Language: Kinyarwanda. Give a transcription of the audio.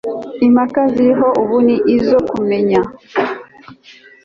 impaka ziriho ubu n'izo kumenya